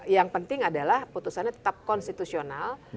yang penting adalah putusannya tetap konstitusional